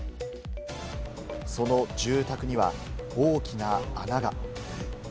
その住宅には大きな穴が。